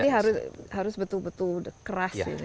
jadi harus betul betul keras ya